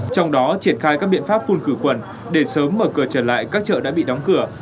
trong đó triển khai các biện pháp phun khử khuẩn để sớm mở cửa trở lại các chợ đã bị đóng cửa